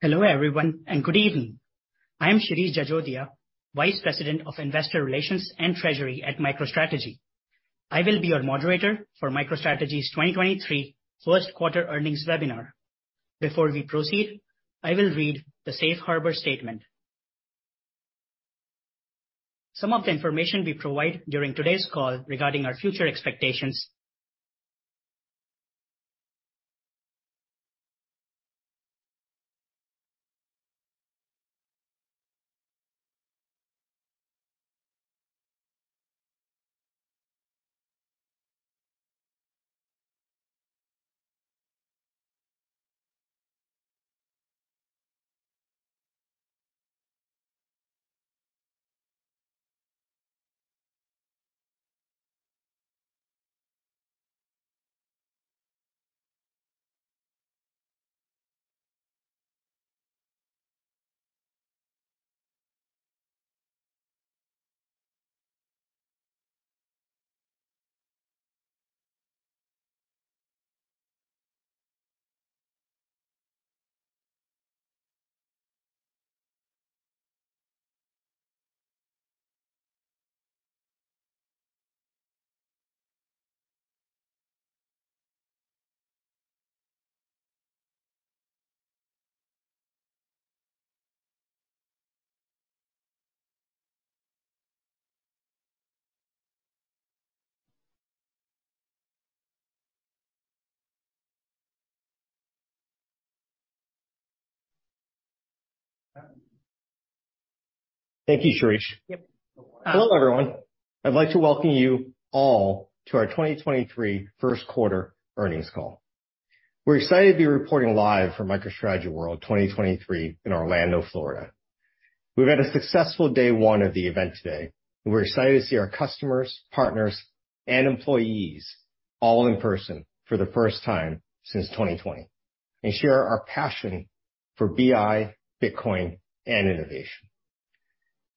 Hello, everyone, good evening. I am Shirish Jajodia, Vice President of Investor Relations and Treasury at MicroStrategy. I will be your moderator for MicroStrategy's 2023 first quarter earnings webinar. Before we proceed, I will read the safe harbor statement. Some of the information we provide during today's call regarding our future expectations- Thank you, Shirish. Hello, everyone. I'd like to welcome you all to our 2023 first quarter earnings call. We're excited to be reporting live from MicroStrategy World 2023 in Orlando, Florida. We've had a successful day one of the event today. We're excited to see our customers, partners, and employees all in person for the first time since 2020, and share our passion for BI, Bitcoin, and innovation.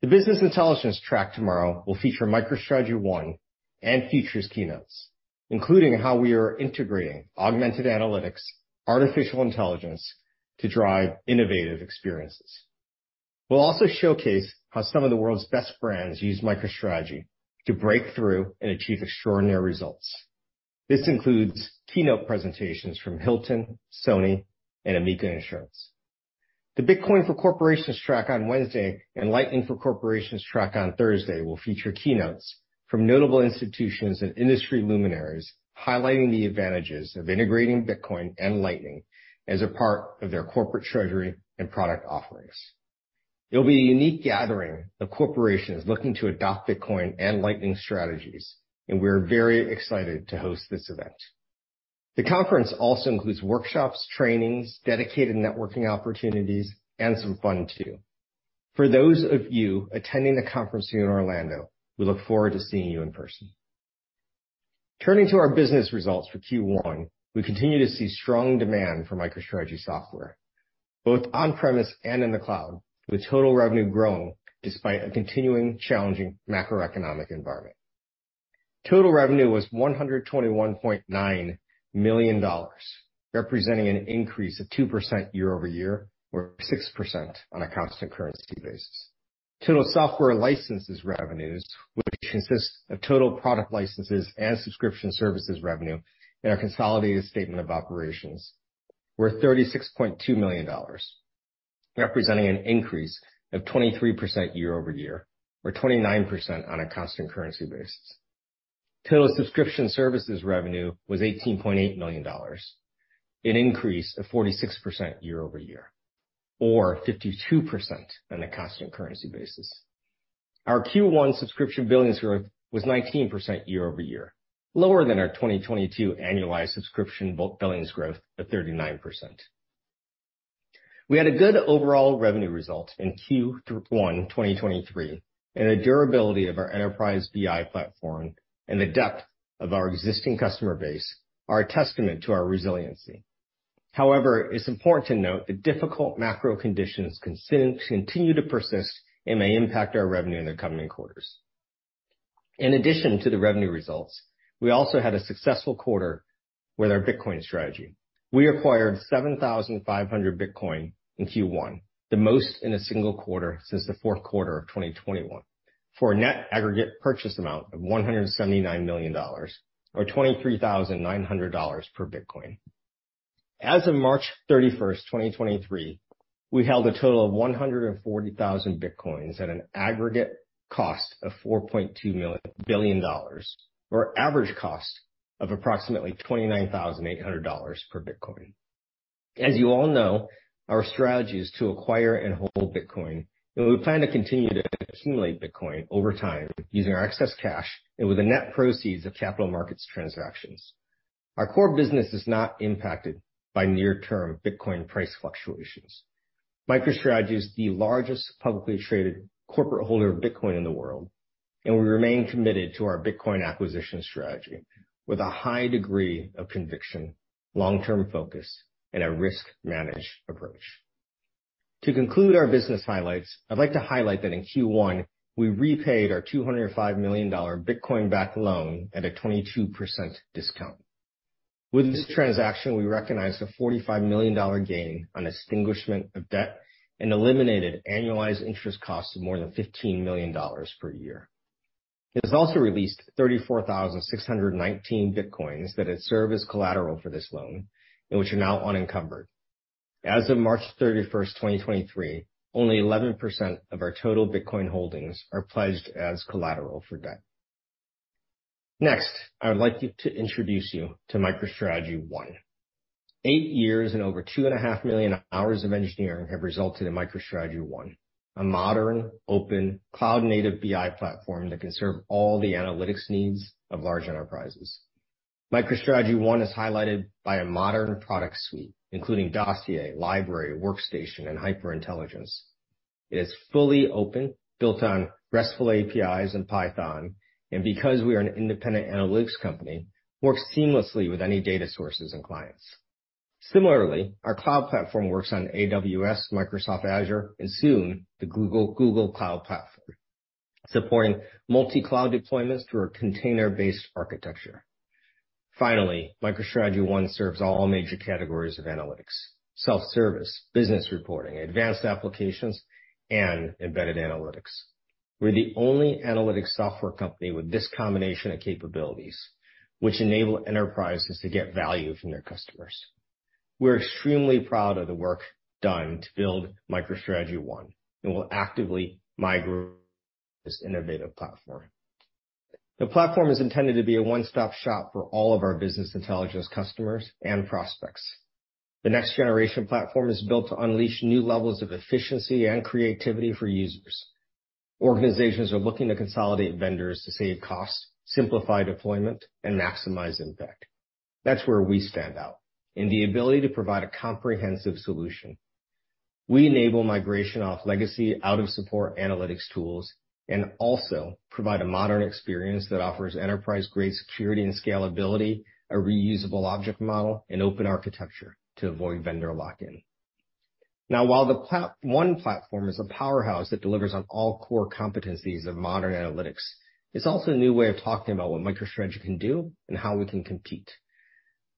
The business intelligence track tomorrow will feature MicroStrategy ONE and features keynotes, including how we are integrating augmented analytics, artificial intelligence to drive innovative experiences. We'll also showcase how some of the world's best brands use MicroStrategy to break through and achieve extraordinary results. This includes keynote presentations from Hilton, Sony, and Amica Insurance. The Bitcoin for Corporations track on Wednesday and Lightning for Corporations track on Thursday will feature keynotes from notable institutions and industry luminaries highlighting the advantages of integrating Bitcoin and Lightning as a part of their corporate treasury and product offerings. It'll be a unique gathering of corporations looking to adopt Bitcoin and Lightning strategies, and we're very excited to host this event. The conference also includes workshops, trainings, dedicated networking opportunities, and some fun too. For those of you attending the conference here in Orlando, we look forward to seeing you in person. Turning to our business results for Q1, we continue to see strong demand for MicroStrategy software, both on-premise and in the cloud, with total revenue growing despite a continuing challenging macroeconomic environment. Total revenue was $121.9 million, representing an increase of 2% year-over-year or 6% on a constant currency basis. Total software licenses revenues, which consists of total product licenses and subscription services revenue in our consolidated statement of operations were $36.2 million, representing an increase of 23% year-over-year, or 29% on a constant currency basis. Total subscription services revenue was $18.8 million, an increase of 46% year-over-year, or 52% on a constant currency basis. Our Q1 subscription billings growth was 19% year-over-year, lower than our 2022 annualized subscription billings growth of 39%. We had a good overall revenue result in Q1 2023, and the durability of our enterprise BI platform and the depth of our existing customer base are a testament to our resiliency. However, it's important to note that difficult macro conditions continue to persist and may impact our revenue in the coming quarters. In addition to the revenue results, we also had a successful quarter with our Bitcoin strategy. We acquired 7,500 Bitcoin in Q1, the most in a single quarter since the fourth quarter of 2021, for a net aggregate purchase amount of $179 million or $23,900 per Bitcoin. As of March 31st, 2023, we held a total of 140,000 Bitcoins at an aggregate cost of $4.2 billion or average cost of approximately $29,800 per Bitcoin. As you all know, our strategy is to acquire and hold Bitcoin, and we plan to continue to accumulate Bitcoin over time using our excess cash and with the net proceeds of capital markets transactions. Our core business is not impacted by near-term Bitcoin price fluctuations. MicroStrategy is the largest publicly traded corporate holder of Bitcoin in the world, and we remain committed to our Bitcoin acquisition strategy with a high degree of conviction, long-term focus, and a risk-managed approach. To conclude our business highlights, I'd like to highlight that in Q1, we repaid our $205 million Bitcoin-backed loan at a 22% discount. With this transaction, we recognized a $45 million gain on extinguishment of debt and eliminated annualized interest costs of more than $15 million per year. This also released 34,619 Bitcoins that had served as collateral for this loan and which are now unencumbered. As of March 31, 2023, only 11% of our total Bitcoin holdings are pledged as collateral for debt. I would like you to introduce you to MicroStrategy ONE. Eight years and over two and a half million hours of engineering have resulted in MicroStrategy ONE, a modern open cloud-native BI platform that can serve all the analytics needs of large enterprises. MicroStrategy ONE is highlighted by a modern product suite including Dossier, Library, Workstation, and HyperIntelligence. It is fully open, built on RESTful APIs and Python, and because we are an independent analytics company, works seamlessly with any data sources and clients. Similarly, our cloud platform works on AWS, Microsoft Azure, and soon the Google Cloud Platform, supporting multi-cloud deployments through a container-based architecture. Finally, MicroStrategy ONE serves all major categories of analytics, self-service, business reporting, advanced applications, and embedded analytics. We're the only analytics software company with this combination of capabilities which enable enterprises to get value from their customers. We're extremely proud of the work done to build MicroStrategy ONE, and we'll actively migrate this innovative platform. The platform is intended to be a one-stop shop for all of our business intelligence customers and prospects. The next generation platform is built to unleash new levels of efficiency and creativity for users. Organizations are looking to consolidate vendors to save costs, simplify deployment, and maximize impact. That's where we stand out, in the ability to provide a comprehensive solution. We enable migration off legacy out-of-support analytics tools, also provide a modern experience that offers enterprise-grade security and scalability, a reusable object model and open architecture to avoid vendor lock-in. While MicroStrategy ONE platform is a powerhouse that delivers on all core competencies of modern analytics, it's also a new way of talking about what MicroStrategy can do and how we can compete.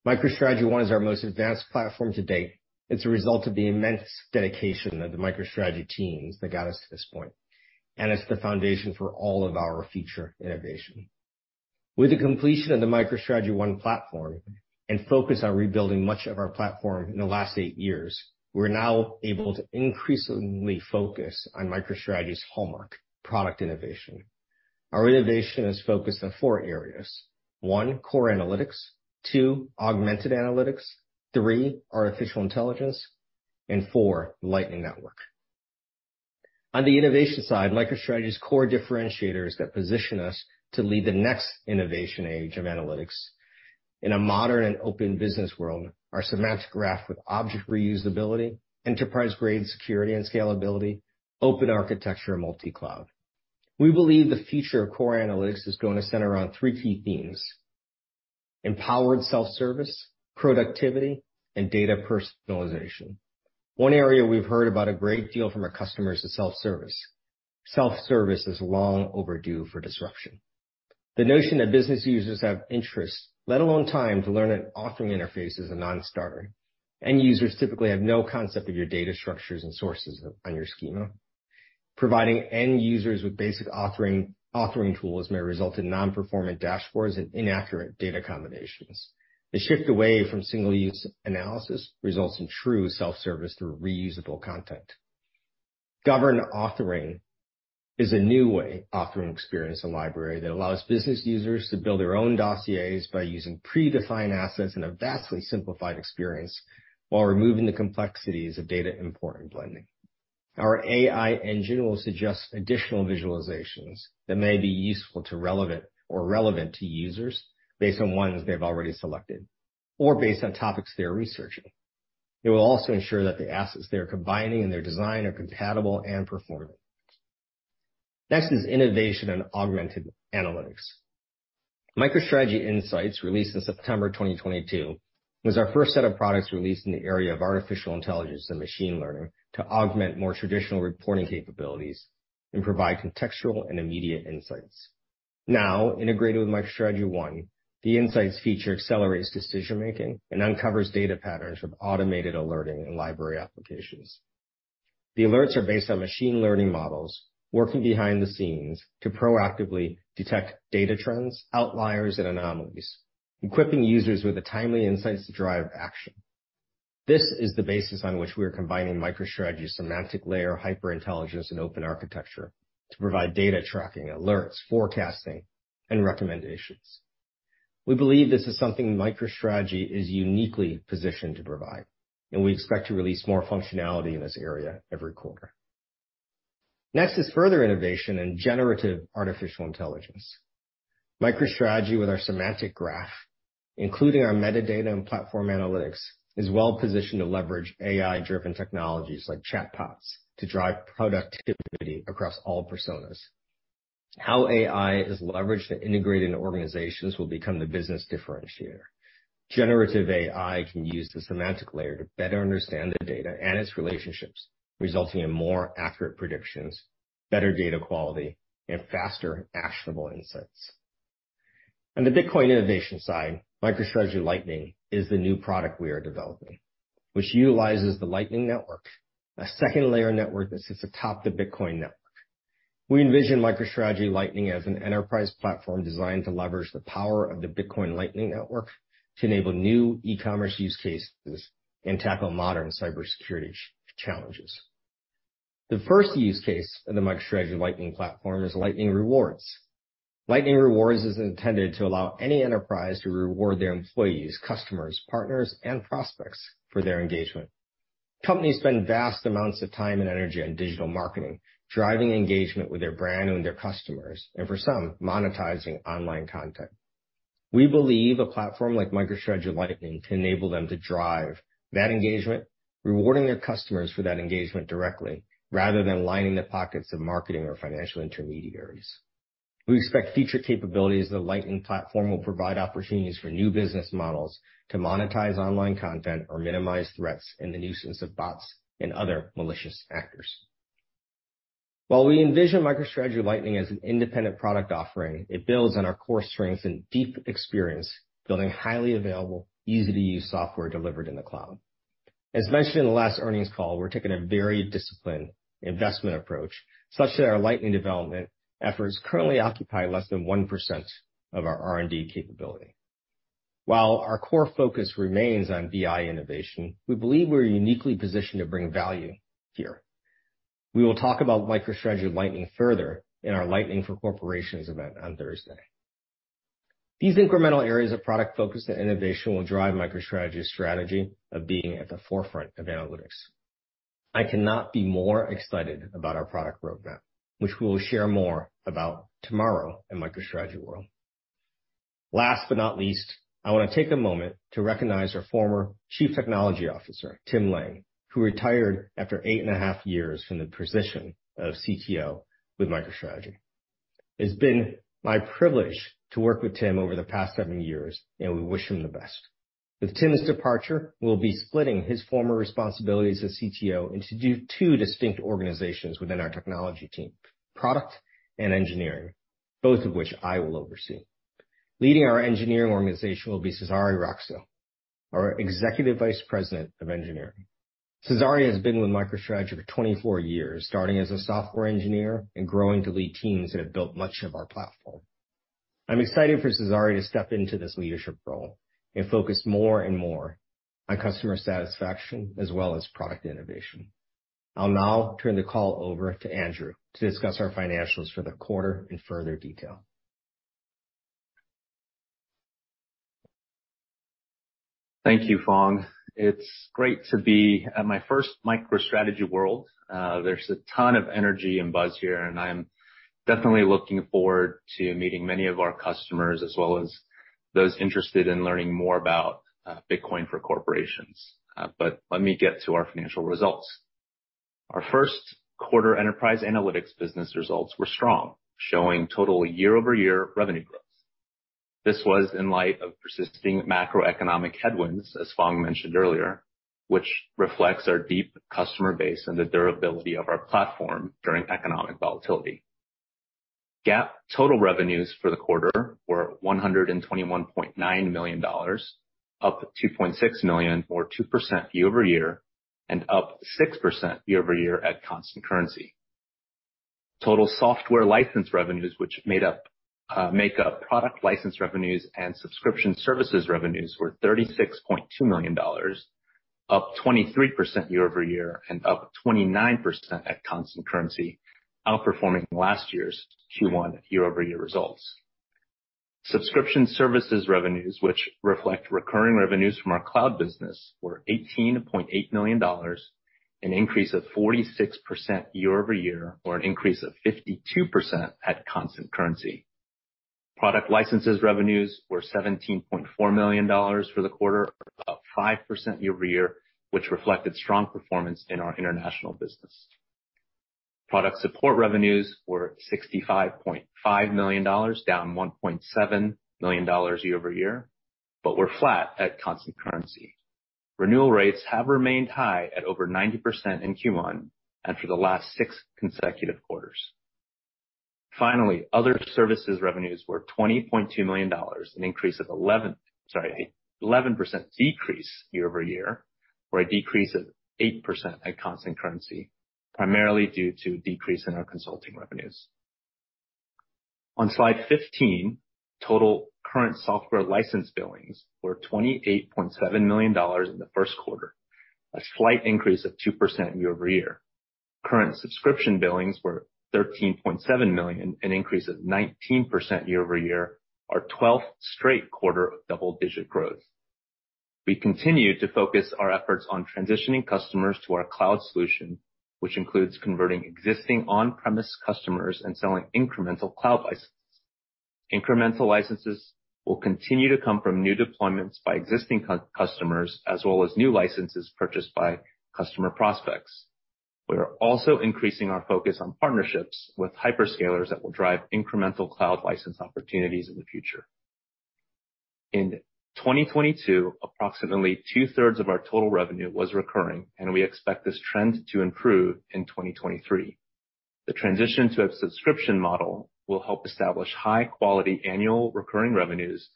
MicroStrategy ONE is our most advanced platform to date. It's a result of the immense dedication of the MicroStrategy teams that got us to this point, it's the foundation for all of our future innovation. With the completion of the MicroStrategy ONE platform and focus on rebuilding much of our platform in the last eight years, we're now able to increasingly focus on MicroStrategy's hallmark product innovation. Our innovation is focused on four areas. One, core analytics, two, augmented analytics, three, artificial intelligence, and four, Lightning Network. On the innovation side, MicroStrategy's core differentiators that position us to lead the next innovation age of analytics in a modern and open business world are semantic graph with object reusability, enterprise-grade security and scalability, open architecture multi-cloud. We believe the future of core analytics is going to center around three key themes: empowered self-service, productivity, and data personalization. One area we've heard about a great deal from our customers is self-service. Self-service is long overdue for disruption. The notion that business users have interest, let alone time, to learn an authoring interface is a non-starter. End users typically have no concept of your data structures and sources on your schema. Providing end users with basic authoring tools may result in non-performant dashboards and inaccurate data combinations. The shift away from single-use analysis results in true self-service through reusable content. Governed authoring is a new way authoring experience in Library that allows business users to build their own dossiers by using predefined assets in a vastly simplified experience while removing the complexities of data import and blending. Our AI engine will suggest additional visualizations that may be relevant to users based on ones they've already selected or based on topics they're researching. It will also ensure that the assets they are combining in their design are compatible and performant. Next is innovation and augmented analytics. MicroStrategy Insights, released in September 2022, was our first set of products released in the area of artificial intelligence and machine learning to augment more traditional reporting capabilities and provide contextual and immediate insights. Now, integrated with MicroStrategy ONE, the Insights feature accelerates decision-making and uncovers data patterns with automated alerting and Library applications. The alerts are based on machine learning models working behind the scenes to proactively detect data trends, outliers, and anomalies, equipping users with the timely insights to drive action. This is the basis on which we are combining MicroStrategy's semantic layer, HyperIntelligence, and open architecture to provide data tracking, alerts, forecasting, and recommendations. We believe this is something MicroStrategy is uniquely positioned to provide, and we expect to release more functionality in this area every quarter. Next is further innovation and generative artificial intelligence. MicroStrategy with our Semantic Graph, including our metadata and platform analytics, is well-positioned to leverage AI-driven technologies like chatbots to drive productivity across all personas. How AI is leveraged to integrate into organizations will become the business differentiator. Generative AI can use the Semantic Layer to better understand the data and its relationships, resulting in more accurate predictions, better data quality, and faster actionable insights. On the Bitcoin innovation side, MicroStrategy Lightning is the new product we are developing, which utilizes the Lightning Network, a second-layer network that sits atop the Bitcoin network. We envision MicroStrategy Lightning as an enterprise platform designed to leverage the power of the Bitcoin Lightning Network to enable new e-commerce use cases and tackle modern cybersecurity challenges. The first use case of the MicroStrategy Lightning Platform is Lightning Rewards. Lightning Rewards is intended to allow any enterprise to reward their employees, customers, partners, and prospects for their engagement. Companies spend vast amounts of time and energy on digital marketing, driving engagement with their brand and their customers, and for some, monetizing online content. We believe a platform like MicroStrategy Lightning can enable them to drive that engagement, rewarding their customers for that engagement directly, rather than lining the pockets of marketing or financial intermediaries. We expect future capabilities of the Lightning Platform will provide opportunities for new business models to monetize online content or minimize threats and the nuisance of bots and other malicious actors. While we envision MicroStrategy Lightning as an independent product offering, it builds on our core strengths and deep experience building highly available, easy-to-use software delivered in the cloud. As mentioned in the last earnings call, we're taking a very disciplined investment approach, such that our Lightning development efforts currently occupy less than 1% of our R&D capability. While our core focus remains on BI innovation, we believe we're uniquely positioned to bring value here. We will talk about MicroStrategy Lightning further in our Lightning for Corporations event on Thursday. These incremental areas of product focus and innovation will drive MicroStrategy's strategy of being at the forefront of analytics. I cannot be more excited about our product roadmap, which we will share more about tomorrow at MicroStrategy World. Last but not least, I wanna take a moment to recognize our former chief technology officer, Tim Lang, who retired after eight and a half years from the position of CTO with MicroStrategy. It's been my privilege to work with Tim over the past seven years. We wish him the best. With Tim's departure, we'll be splitting his former responsibilities as CTO into two distinct organizations within our technology team, product and engineering, both of which I will oversee. Leading our engineering organization will be Cesare Roccio, our Executive Vice President of Engineering. Cesare has been with MicroStrategy for 24 years, starting as a software engineer and growing to lead teams that have built much of our platform. I'm excited for Cesare to step into this leadership role and focus more and more on customer satisfaction as well as product innovation. I'll now turn the call over to Andrew to discuss our financials for the quarter in further detail. Thank you, Phong. It's great to be at my first MicroStrategy World. There's a ton of energy and buzz here, and I'm definitely looking forward to meeting many of our customers as well as those interested in learning more about Bitcoin for corporations. Let me get to our financial results. Our first quarter enterprise analytics business results were strong, showing total year-over-year revenue growth. This was in light of persisting macroeconomic headwinds, as Phong mentioned earlier, which reflects our deep customer base and the durability of our platform during economic volatility. GAAP total revenues for the quarter were $121.9 million, up $2.6 million or 2% year-over-year, up 6% year-over-year at constant currency. Total software license revenues, which made up, make up product license revenues and subscription services revenues, were $36.2 million, up 23% year-over-year and up 29% at constant currency, outperforming last year's Q1 year-over-year results. Subscription services revenues, which reflect recurring revenues from our cloud business, were $18.8 million, an increase of 46% year-over-year, or an increase of 52% at constant currency. Product licenses revenues were $17.4 million for the quarter, up 5% year-over-year, which reflected strong performance in our international business. Product support revenues were $65.5 million, down $1.7 million year-over-year, but were flat at constant currency. Renewal rates have remained high at over 90% in Q1 and for the last six consecutive quarters. Other services revenues were $20.2 million, Sorry, an 11% decrease year-over-year, or a decrease of 8% at constant currency, primarily due to decrease in our consulting revenues. On slide 15, total current software license billings were $28.7 million in the first quarter, a slight increase of 2% year-over-year. Current subscription billings were $13.7 million, an increase of 19% year-over-year, our 12th straight quarter of double-digit growth. We continue to focus our efforts on transitioning customers to our cloud solution, which includes converting existing on-premise customers and selling Incremental licenses will continue to come from new deployments by existing customers, as well as new licenses purchased by customer prospects. We are also increasing our focus on partnerships with hyperscalers that will drive incremental cloud license opportunities in the future. In 2022, approximately two-thirds of our total revenue was recurring, and we expect this trend to improve in 2023. The transition to a subscription model will help establish high quality annual recurring revenues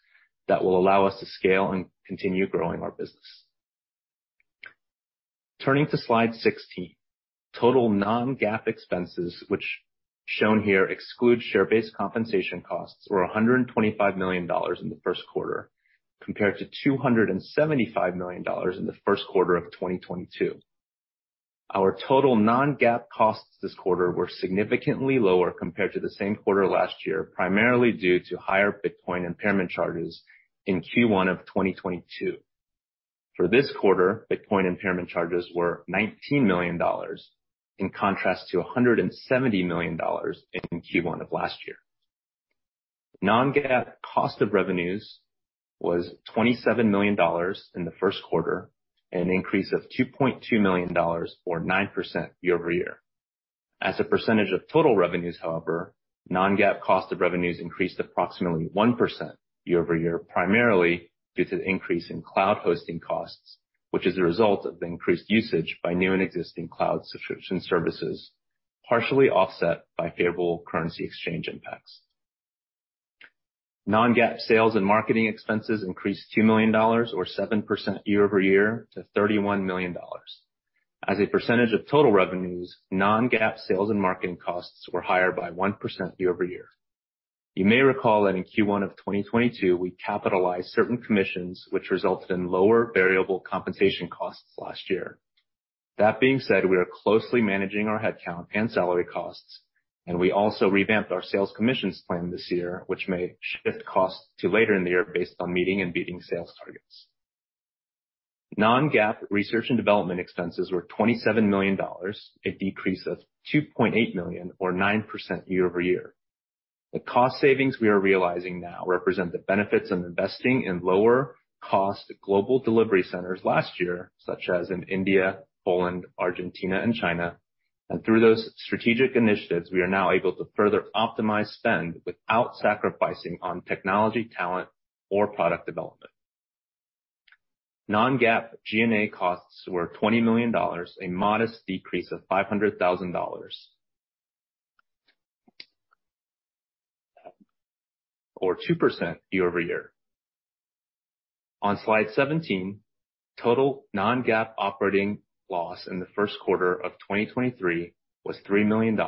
that will allow us to scale and continue growing our business. Turning to slide 16, total non-GAAP expenses, which shown here exclude share-based compensation costs, were $125 million in the first quarter compared to $275 million in the first quarter of 2022. Our total non-GAAP costs this quarter were significantly lower compared to the same quarter last year, primarily due to higher Bitcoin impairment charges in Q1 of 2022. For this quarter, Bitcoin impairment charges were $19 million, in contrast to $170 million in Q1 of last year. Non-GAAP cost of revenues was $27 million in the first quarter, an increase of $2.2 million or 9% year-over-year. As a percentage of total revenues, however, non-GAAP cost of revenues increased approximately 1% year-over-year, primarily due to the increase in cloud hosting costs, which is a result of the increased usage by new and existing cloud subscription services, partially offset by favorable currency exchange impacts. Non-GAAP sales and marketing expenses increased $2 million or 7% year-over-year to $31 million. As a percentage of total revenues, non-GAAP sales and marketing costs were higher by 1% year-over-year. You may recall that in Q1 of 2022, we capitalized certain commissions, which resulted in lower variable compensation costs last year. That being said, we are closely managing our headcount and salary costs, and we also revamped our sales commissions plan this year, which may shift costs to later in the year based on meeting and beating sales targets. Non-GAAP research and development expenses were $27 million, a decrease of $2.8 million or 9% year-over-year. The cost savings we are realizing now represent the benefits of investing in lower cost global delivery centers last year, such as in India, Poland, Argentina and China. Through those strategic initiatives, we are now able to further optimize spend without sacrificing on technology, talent, or product development. Non-GAAP G&A costs were $20 million, a modest decrease of $500,000. 2% year over year. On slide 17, total non-GAAP operating loss in the first quarter of 2023 was $3 million,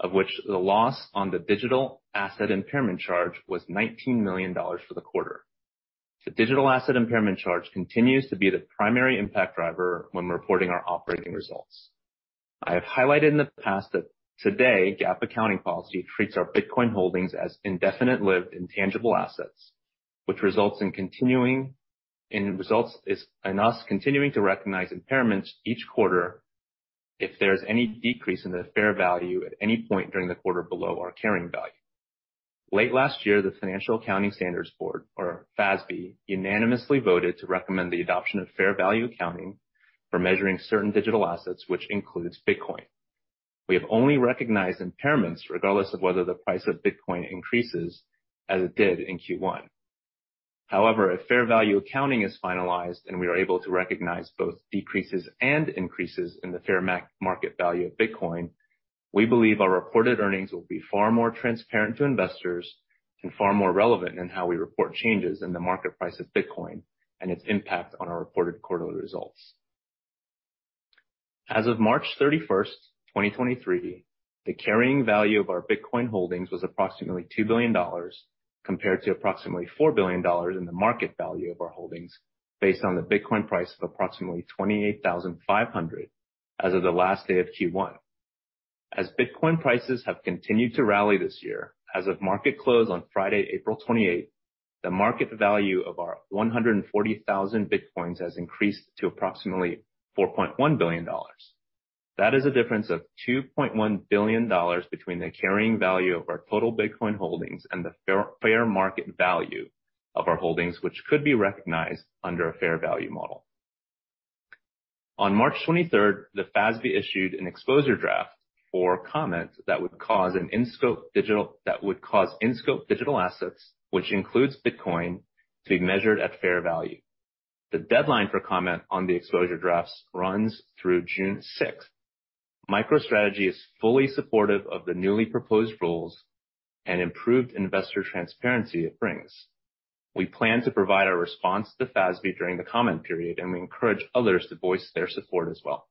of which the loss on the digital asset impairment charge was $19 million for the quarter. The digital asset impairment charge continues to be the primary impact driver when reporting our operating results. I have highlighted in the past that today, GAAP accounting policy treats our Bitcoin holdings as indefinite-lived intangible assets, which results in us continuing to recognize impairments each quarter if there is any decrease in the fair value at any point during the quarter below our carrying value. Late last year, the Financial Accounting Standards Board, or FASB, unanimously voted to recommend the adoption of fair value accounting for measuring certain digital assets, which includes Bitcoin. We have only recognized impairments regardless of whether the price of Bitcoin increases as it did in Q1. If fair value accounting is finalized and we are able to recognize both decreases and increases in the fair market value of Bitcoin, we believe our reported earnings will be far more transparent to investors and far more relevant in how we report changes in the market price of Bitcoin and its impact on our reported quarterly results. As of March 31, 2023, the carrying value of our Bitcoin holdings was approximately $2 billion, compared to approximately $4 billion in the market value of our holdings, based on the Bitcoin price of approximately 28,500 as of the last day of Q1. As Bitcoin prices have continued to rally this year, as of market close on Friday, April 28th, the market value of our 140,000 Bitcoins has increased to approximately $4.1 billion. That is a difference of $2.1 billion between the carrying value of our total Bitcoin holdings and the fair market value of our holdings, which could be recognized under a fair value model. On March 23rd, the FASB issued an exposure draft for comment that would cause in-scope digital assets, which includes Bitcoin, to be measured at fair value. The deadline for comment on the exposure drafts runs through June 6th. MicroStrategy is fully supportive of the newly proposed rules and improved investor transparency it brings. We plan to provide our response to FASB during the comment period, and we encourage others to voice their support as well.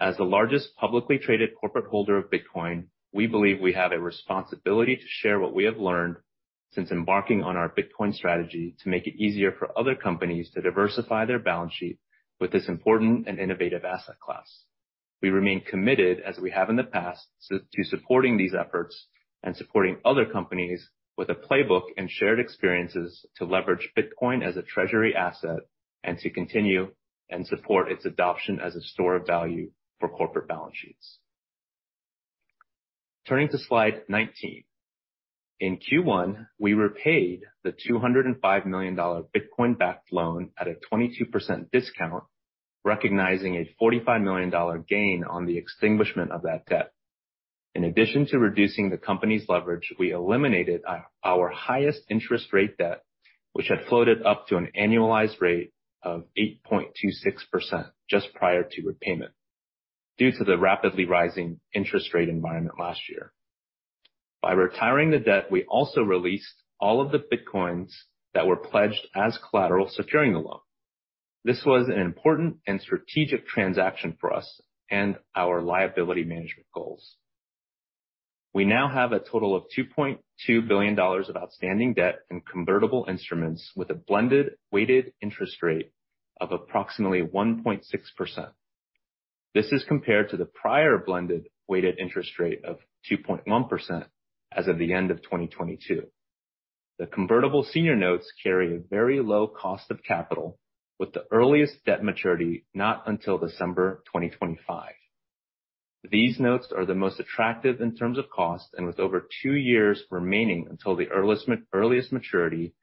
As the largest publicly traded corporate holder of Bitcoin, we believe we have a responsibility to share what we have learned since embarking on our Bitcoin strategy to make it easier for other companies to diversify their balance sheet with this important and innovative asset class. We remain committed, as we have in the past, to supporting these efforts and supporting other companies with a playbook and shared experiences to leverage Bitcoin as a treasury asset. To continue and support its adoption as a store of value for corporate balance sheets. Turning to slide 19. In Q1, we repaid the $205 million Bitcoin-backed loan at a 22% discount, recognizing a $45 million gain on the extinguishment of that debt. In addition to reducing the company's leverage, we eliminated our highest interest rate debt, which had floated up to an annualized rate of 8.26% just prior to repayment due to the rapidly rising interest rate environment last year. By retiring the debt, we also released all of the Bitcoins that were pledged as collateral securing the loan. This was an important and strategic transaction for us and our liability management goals. We now have a total of $2.2 billion of outstanding debt and convertible instruments with a blended weighted interest rate of approximately 1.6%. This is compared to the prior blended weighted interest rate of 2.1% as of the end of 2022. The convertible senior notes carry a very low cost of capital, with the earliest debt maturity not until December 2025. These notes are the most attractive in terms of cost, and with over two years remaining until the earliest maturity,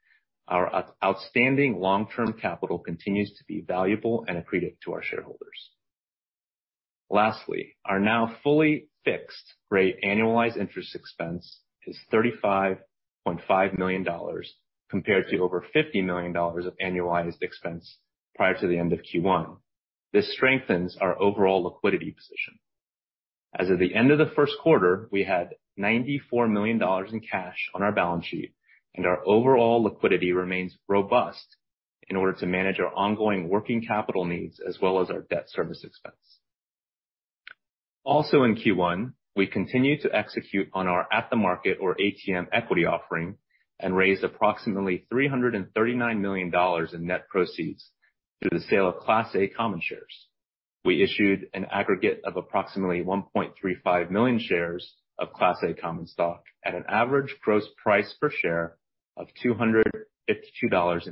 our outstanding long-term capital continues to be valuable and accretive to our shareholders. Lastly, our now fully fixed rate annualized interest expense is $35.5 million, compared to over $50 million of annualized expense prior to the end of Q1. This strengthens our overall liquidity position. As of the end of the first quarter, we had $94 million in cash on our balance sheet, and our overall liquidity remains robust in order to manage our ongoing working capital needs as well as our debt service expense. Also in Q1, we continued to execute on our at-the-market, or ATM, equity offering and raised approximately $339 million in net proceeds through the sale of Class A common shares. We issued an aggregate of approximately 1.35 million shares of Class A common stock at an average gross price per share of $252.85.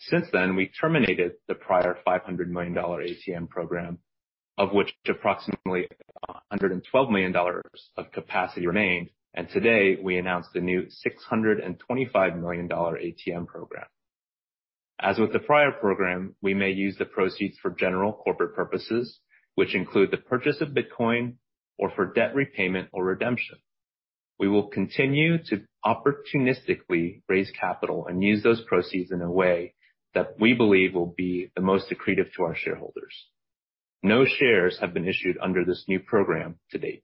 Since then, we terminated the prior $500 million ATM program, of which approximately $112 million of capacity remained. Today we announced a new $625 million ATM program. As with the prior program, we may use the proceeds for general corporate purposes, which include the purchase of Bitcoin or for debt repayment or redemption. We will continue to opportunistically raise capital and use those proceeds in a way that we believe will be the most accretive to our shareholders. No shares have been issued under this new program to date.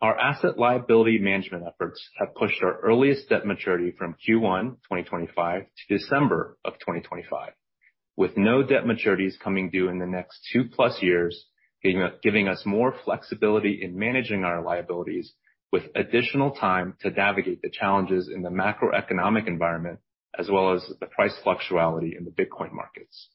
Our asset liability management efforts have pushed our earliest debt maturity from Q1 2025 to December of 2025, with no debt maturities coming due in the next two-plus years, giving us more flexibility in managing our liabilities with additional time to navigate the challenges in the macroeconomic environment as well as the price fluctuating in the Bitcoin markets.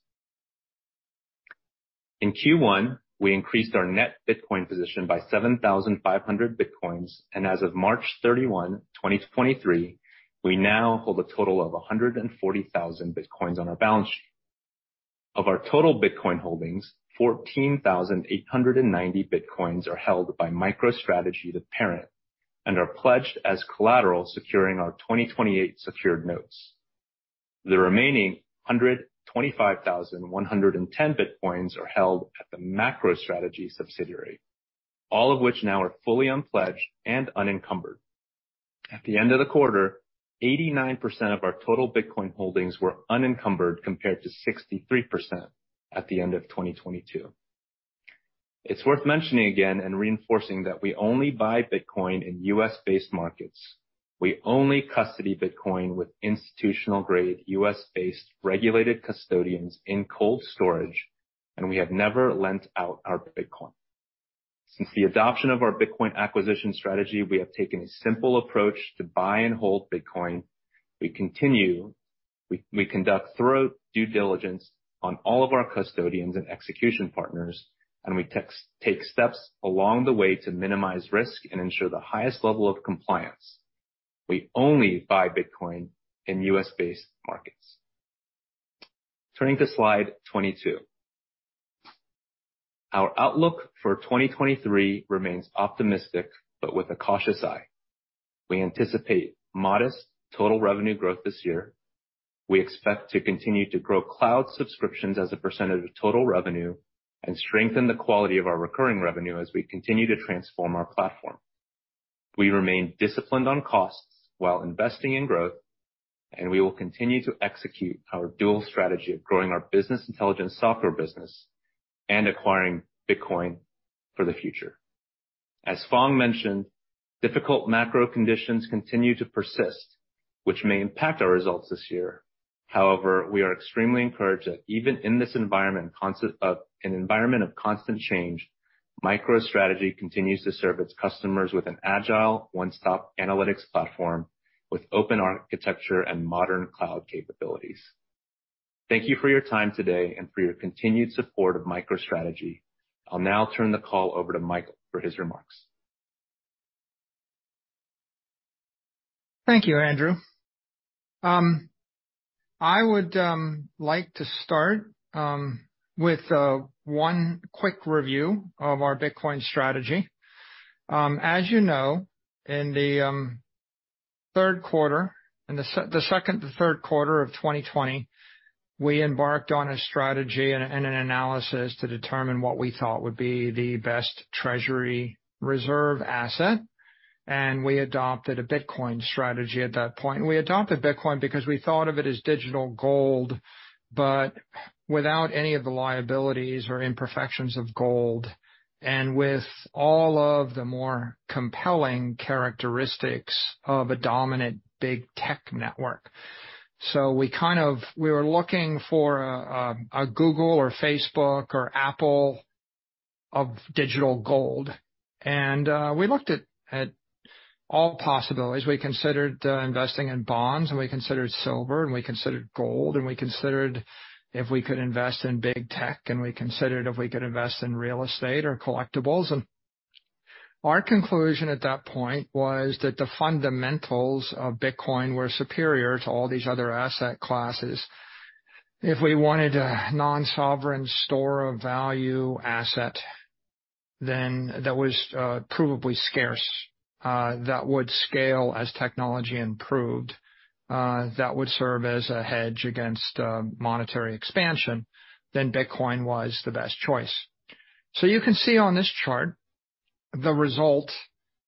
In Q1, we increased our net Bitcoin position by 7,500 Bitcoins. As of March 31, 2023, we now hold a total of 140,000 Bitcoins on our balance sheet. Of our total Bitcoin holdings, 14,890 Bitcoins are held by MicroStrategy, the parent, and are pledged as collateral, securing our 2028 Secured Notes. The remaining 125,110 Bitcoins are held at the MicroStrategy subsidiary, all of which now are fully unpledged and unencumbered. At the end of the quarter, 89% of our total Bitcoin holdings were unencumbered, compared to 63% at the end of 2022. It's worth mentioning again and reinforcing that we only buy Bitcoin in U.S.-based markets. We only custody Bitcoin with institutional-grade, U.S.-based, regulated custodians in cold storage, and we have never lent out our Bitcoin. Since the adoption of our Bitcoin acquisition strategy, we have taken a simple approach to buy and hold Bitcoin. We conduct thorough due diligence on all of our custodians and execution partners, and we take steps along the way to minimize risk and ensure the highest level of compliance. We only buy Bitcoin in U.S.-based markets. Turning to slide 22. Our outlook for 2023 remains optimistic but with a cautious eye. We anticipate modest total revenue growth this year. We expect to continue to grow cloud subscriptions as a percentage of total revenue and strengthen the quality of our recurring revenue as we continue to transform our platform. We remain disciplined on costs while investing in growth, and we will continue to execute our dual strategy of growing our business intelligence software business and acquiring Bitcoin for the future. As Phong mentioned, difficult macro conditions continue to persist, which may impact our results this year. However, we are extremely encouraged that even in this environment an environment of constant change, MicroStrategy continues to serve its customers with an agile one-stop analytics platform with open architecture and modern cloud capabilities. Thank you for your time today and for your continued support of MicroStrategy. I'll now turn the call over to Michael for his remarks. Thank you, Andrew. I would like to start with one quick review of our Bitcoin strategy. As you know, in the second to third quarter of 2020, we embarked on a strategy and an analysis to determine what we thought would be the best treasury reserve asset, and we adopted a Bitcoin strategy at that point. We adopted Bitcoin because we thought of it as digital gold, but without any of the liabilities or imperfections of gold, and with all of the more compelling characteristics of a dominant big tech network. We were looking for a Google or Facebook or Apple of digital gold. We looked at all possibilities. We considered investing in bonds, and we considered silver, and we considered gold, and we considered if we could invest in big tech, and we considered if we could invest in real estate or collectibles. Our conclusion at that point was that the fundamentals of Bitcoin were superior to all these other asset classes. If we wanted a non-sovereign store of value asset, then that was provably scarce, that would scale as technology improved, that would serve as a hedge against monetary expansion, then Bitcoin was the best choice. You can see on this chart the result.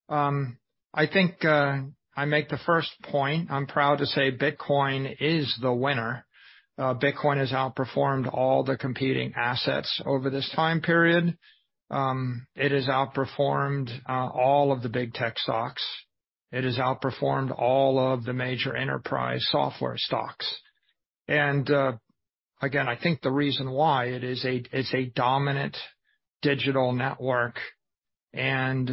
I think I make the first point. I'm proud to say Bitcoin is the winner. Bitcoin has outperformed all the competing assets over this time period. It has outperformed all of the big tech stocks. It has outperformed all of the major enterprise software stocks. Again, I think the reason why it's a dominant digital network and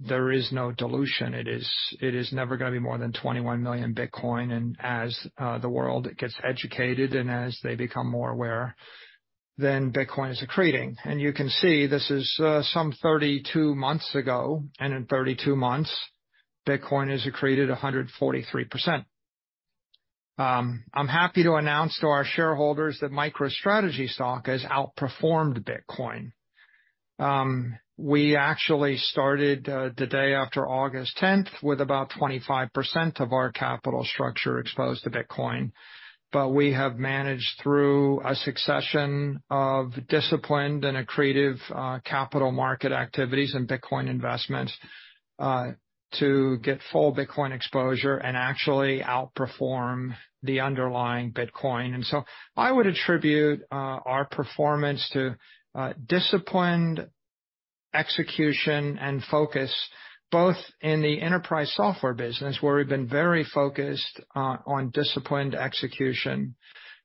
there is no dilution. It is never gonna be more than 21 million Bitcoin. As the world gets educated and as they become more aware, then Bitcoin is accreting. You can see this is some 32 months ago, and in 32 months, Bitcoin has accreted 143%. I'm happy to announce to our shareholders that MicroStrategy's stock has outperformed Bitcoin. We actually started the day after August 10th, with about 25% of our capital structure exposed to Bitcoin, but we have managed through a succession of disciplined and accretive capital market activities and Bitcoin investments to get full Bitcoin exposure and actually outperform the underlying Bitcoin. I would attribute our performance to disciplined execution and focus both in the enterprise software business, where we've been very focused on disciplined execution,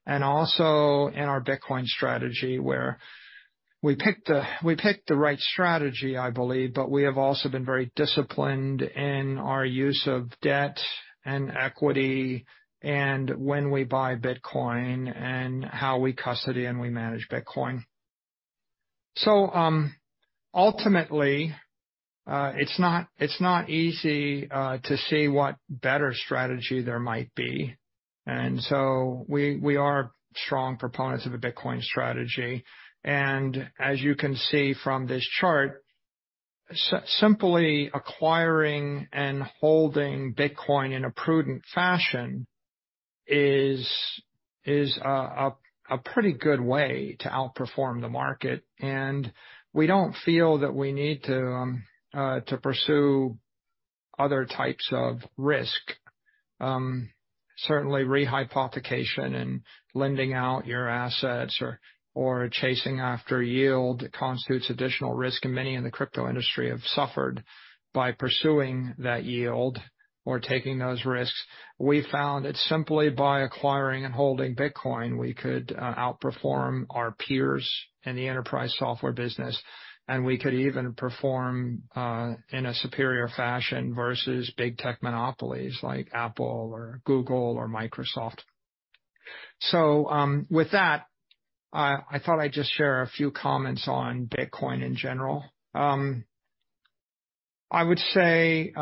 and also in our Bitcoin strategy, where we picked the right strategy, I believe, but we have also been very disciplined in our use of debt and equity and when we buy Bitcoin and how we custody and we manage Bitcoin. Ultimately, it's not easy to see what better strategy there might be. We are strong proponents of a Bitcoin strategy. As you can see from this chart, simply acquiring and holding Bitcoin in a prudent fashion is a pretty good way to outperform the market. We don't feel that we need to pursue other types of risk. Certainly re-hypothecation and lending out your assets or chasing after yield constitutes additional risk, and many in the crypto industry have suffered by pursuing that yield or taking those risks. We found that simply by acquiring and holding Bitcoin, we could outperform our peers in the enterprise software business, and we could even perform in a superior fashion versus big tech monopolies like Apple or Google or Microsoft. With that, I thought I'd just share a few comments on Bitcoin in general. I would say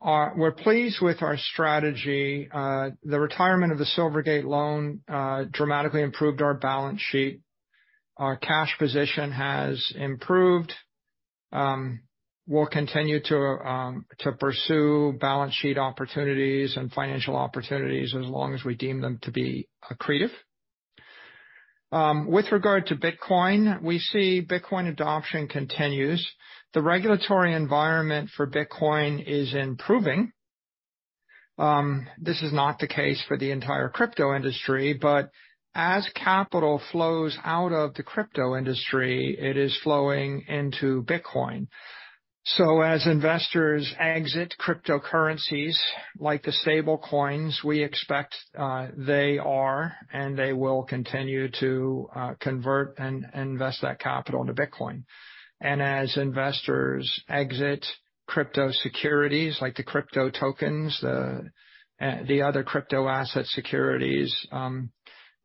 we're pleased with our strategy. The retirement of the Silvergate loan dramatically improved our balance sheet. Our cash position has improved. We'll continue to pursue balance sheet opportunities and financial opportunities as long as we deem them to be accretive. With regard to Bitcoin, we see Bitcoin adoption continues. The regulatory environment for Bitcoin is improving. This is not the case for the entire crypto industry, but as capital flows out of the crypto industry, it is flowing into Bitcoin. As investors exit cryptocurrencies like the stablecoins, we expect they are and they will continue to convert and invest that capital into Bitcoin. As investors exit crypto securities like the crypto tokens, the other crypto asset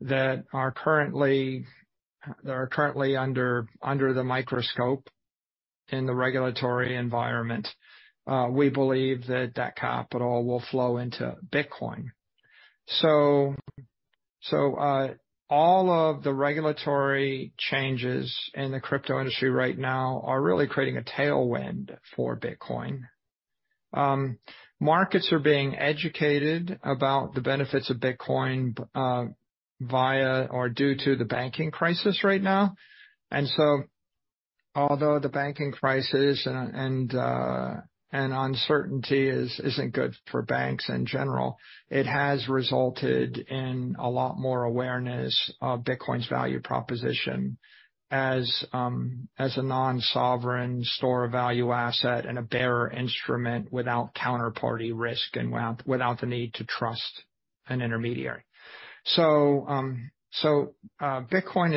securities that are currently under the microscope in the regulatory environment, we believe that that capital will flow into Bitcoin. All of the regulatory changes in the crypto industry right now are really creating a tailwind for Bitcoin. Markets are being educated about the benefits of Bitcoin via or due to the banking crisis right now. Although the banking crisis and uncertainty isn't good for banks in general, it has resulted in a lot more awareness of Bitcoin's value proposition as a non-sovereign store of value asset and a bearer instrument without counterparty risk and without the need to trust an intermediary. Bitcoin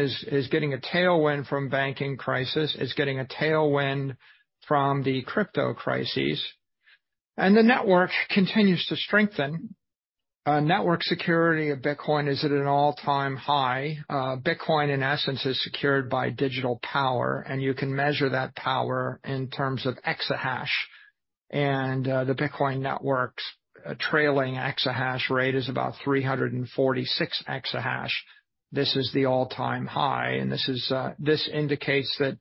is getting a tailwind from banking crisis. It's getting a tailwind from the crypto crises. The network continues to strengthen. Network security of Bitcoin is at an all-time high. Bitcoin, in essence, is secured by digital power, and you can measure that power in terms of exahash. The Bitcoin network's trailing exahash rate is about 346 exahash. This is the all-time high, and this indicates that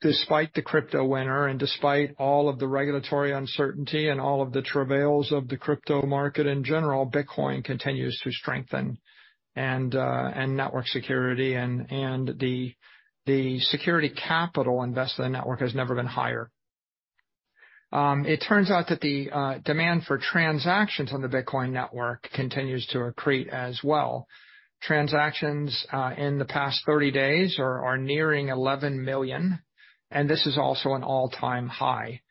despite the crypto winter and despite all of the regulatory uncertainty and all of the travails of the crypto market in general, Bitcoin continues to strengthen and network security and the security capital invested in the network has never been higher. It turns out that the demand for transactions on the Bitcoin network continues to accrete as well. Transactions in the past 30 days are nearing 11 million, and this is also an all-time high.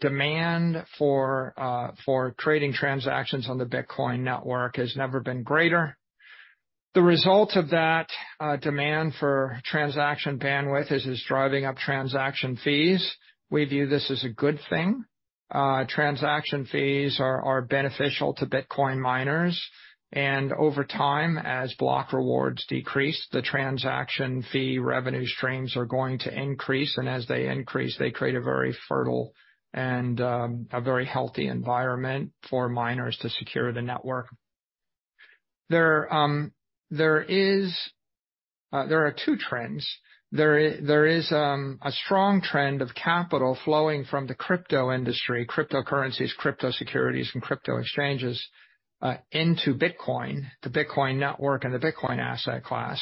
Demand for trading transactions on the Bitcoin network has never been greater. The result of that demand for transaction bandwidth is driving up transaction fees. We view this as a good thing. Transaction fees are beneficial to Bitcoin miners. Over time, as block rewards decrease, the transaction fee revenue streams are going to increase, and as they increase, they create a very fertile and a very healthy environment for miners to secure the network. There are two trends. There is a strong trend of capital flowing from the crypto industry, cryptocurrencies, crypto securities, and crypto exchanges into Bitcoin, the Bitcoin network and the Bitcoin asset class.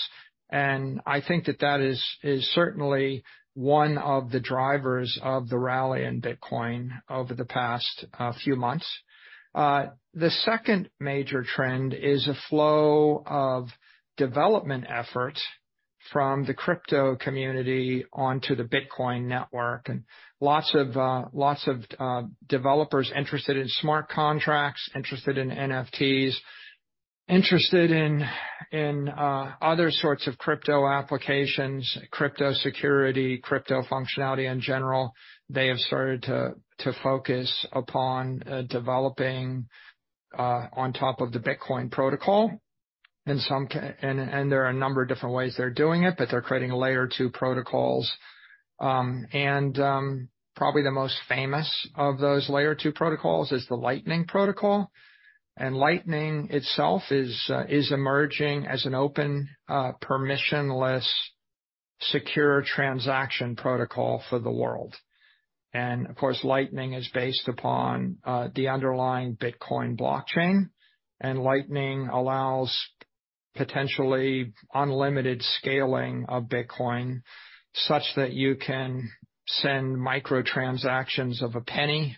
I think that is certainly one of the drivers of the rally in Bitcoin over the past few months. The second major trend is a flow of development efforts from the crypto community onto the Bitcoin network, and lots of developers interested in smart contracts, interested in NFTs, interested in other sorts of crypto applications, crypto security, crypto functionality in general. They have started to focus upon developing on top of the Bitcoin protocol. There are a number of different ways they're doing it, but they're creating layer two protocols. Probably the most famous of those layer two protocols is the Lightning protocol. Lightning itself is emerging as an open, permissionless, secure transaction protocol for the world. Of course, Lightning is based upon the underlying Bitcoin blockchain, and Lightning allows potentially unlimited scaling of Bitcoin, such that you can send micro-transactions of a penny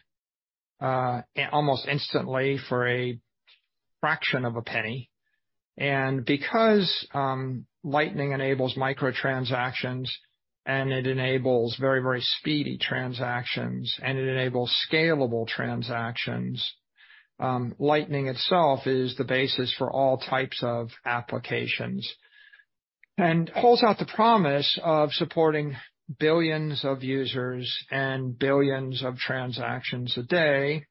almost instantly for a fraction of a penny. Because Lightning enables micro-transactions and it enables very speedy transactions, and it enables scalable transactions, Lightning itself is the basis for all types of applications and holds out the promise of supporting billions of users and billions of transactions a day,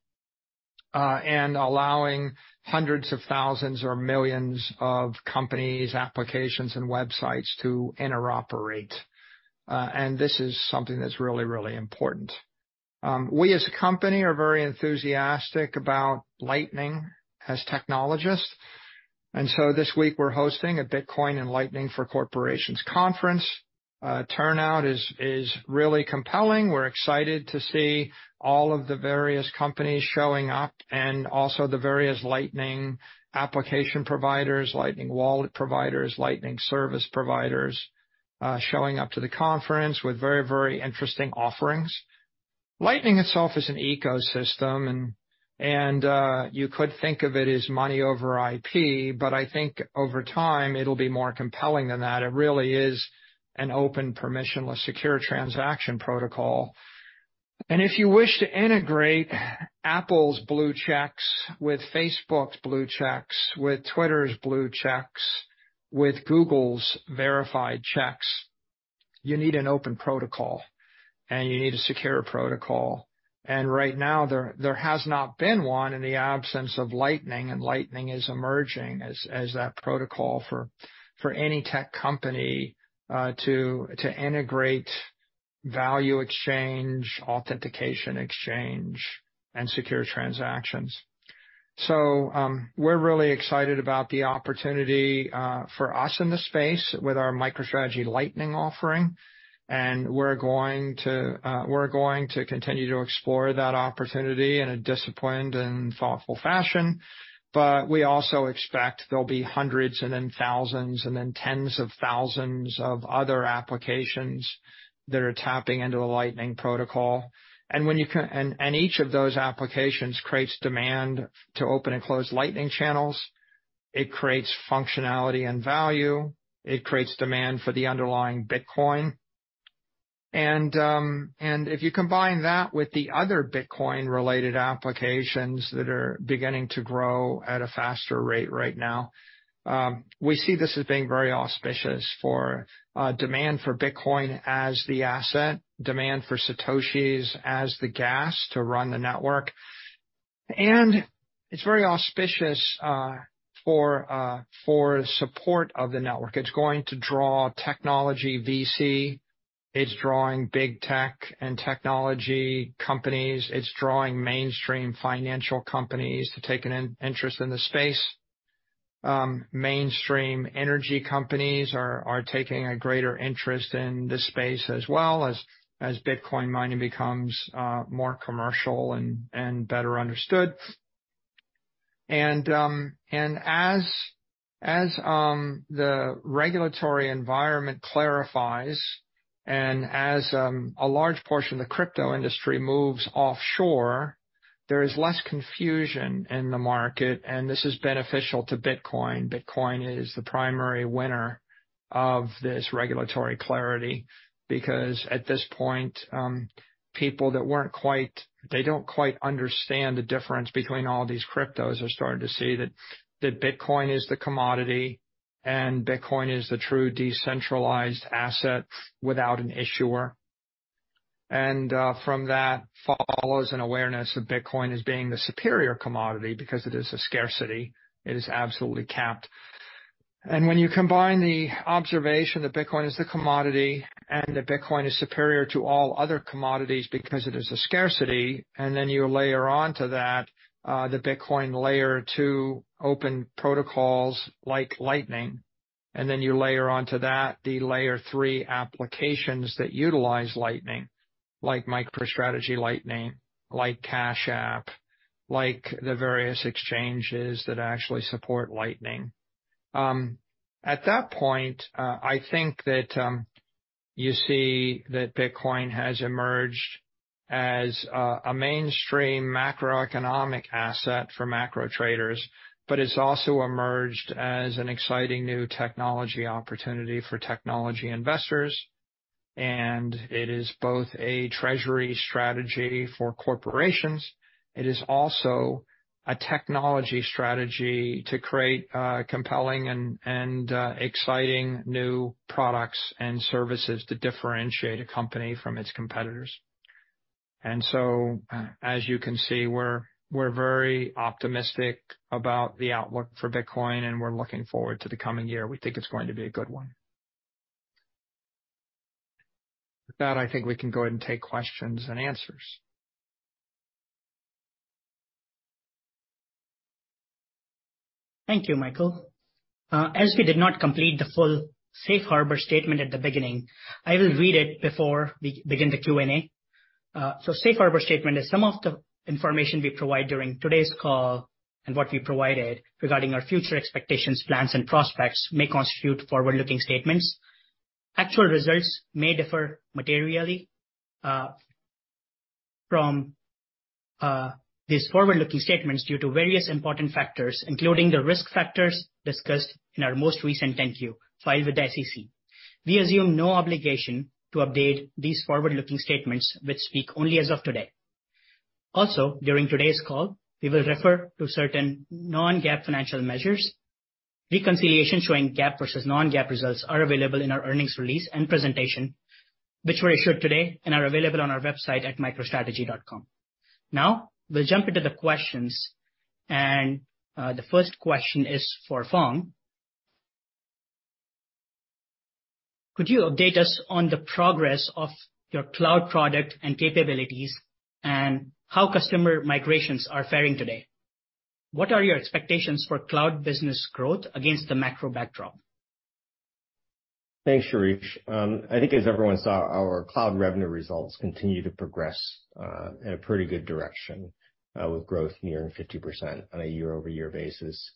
and allowing hundreds of thousands or millions of companies, applications, and websites to interoperate. This is something that's really important. We as a company are very enthusiastic about Lightning as technologists. This week we're hosting a Bitcoin and Lightning for Corporations conference. Turnout is really compelling. We're excited to see all of the various companies showing up and also the various Lightning application providers, Lightning wallet providers, Lightning service providers, showing up to the conference with very interesting offerings. Lightning itself is an ecosystem and, you could think of it as money over IP, but I think over time it'll be more compelling than that. It really is an open permissionless secure transaction protocol. If you wish to integrate Apple's blue checks with Facebook's blue checks, with Twitter's blue checks, with Google's verified checks, you need an open protocol, and you need a secure protocol. Right now, there has not been one in the absence of Lightning, and Lightning is emerging as that protocol for any tech company to integrate value exchange, authentication exchange, and secure transactions. We're really excited about the opportunity for us in the space with our MicroStrategy Lightning offering, and we're going to continue to explore that opportunity in a disciplined and thoughtful fashion. We also expect there'll be hundreds and then thousands and then tens of thousands of other applications that are tapping into the Lightning protocol. When each of those applications creates demand to open and close Lightning channels. It creates functionality and value. It creates demand for the underlying Bitcoin. If you combine that with the other Bitcoin-related applications that are beginning to grow at a faster rate right now, we see this as being very auspicious for demand for Bitcoin as the asset, demand for satoshis as the gas to run the network. It's very auspicious for support of the network. It's going to draw technology VC. It's drawing big tech and technology companies. It's drawing mainstream financial companies to take an interest in the space. Mainstream energy companies are taking a greater interest in this space as well, as Bitcoin mining becomes more commercial and better understood. As the regulatory environment clarifies and as a large portion of the crypto industry moves offshore, there is less confusion in the market, and this is beneficial to Bitcoin. Bitcoin is the primary winner of this regulatory clarity because, at this point, people that they don't quite understand the difference between all these cryptos are starting to see that Bitcoin is the commodity and Bitcoin is the true decentralized asset without an issuer. From that follows an awareness of Bitcoin as being the superior commodity because it is a scarcity. It is absolutely capped. When you combine the observation that Bitcoin is the commodity and that Bitcoin is superior to all other commodities because it is a scarcity, then you layer on to that the Bitcoin layer to open protocols like Lightning, and then you layer onto that the Layer three applications that utilize Lightning, like MicroStrategy Lightning, like Cash App, like the various exchanges that actually support Lightning. At that point, I think that you see that Bitcoin has emerged as a mainstream macroeconomic asset for macro traders, but it's also emerged as an exciting new technology opportunity for technology investors. It is both a treasury strategy for corporations. It is also a technology strategy to create compelling and exciting new products and services to differentiate a company from its competitors. As you can see, we're very optimistic about the outlook for Bitcoin, and we're looking forward to the coming year. We think it's going to be a good one. With that, I think we can go ahead and take questions and answers. Thank you, Michael. As we did not complete the full safe harbor statement at the beginning, I will read it before we begin the Q&A. Safe harbor statement is some of the information we provide during today's call and what we provided regarding our future expectations, plans and prospects may constitute forward-looking statements. Actual results may differ materially from these forward-looking statements due to various important factors, including the risk factors discussed in our most recent 10-Q filed with the SEC. We assume no obligation to update these forward-looking statements, which speak only as of today. During today's call, we will refer to certain non-GAAP financial measures. Reconciliation showing GAAP versus non-GAAP results are available in our earnings release and presentation, which were issued today and are available on our website at microstrategy.com. We'll jump into the questions. The first question is for Phong. Could you update us on the progress of your cloud product and capabilities and how customer migrations are faring today? What are your expectations for cloud business growth against the macro backdrop? Thanks, Shirish. I think as everyone saw, our cloud revenue results continue to progress in a pretty good direction, with growth nearing 50% on a year-over-year basis.